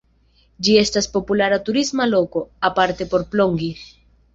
Ĝi estas populara turisma loko, aparte por plonĝi.